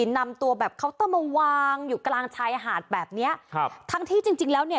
นำตัวแบบเคาน์เตอร์มาวางอยู่กลางชายหาดแบบเนี้ยครับทั้งที่จริงจริงแล้วเนี่ย